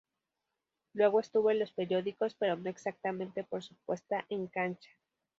Luego estuvo en los periódicos, pero no exactamente por su puesta en cancha.